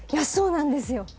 そうなんですよ。